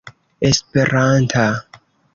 esperanta